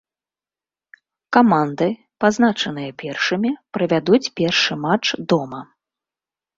Каманды, пазначаныя першымі, правядуць першы матч дома.